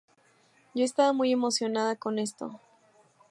Yo estaba muy emocionada con esto".